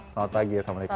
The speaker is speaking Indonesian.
selamat pagi ya sama mereka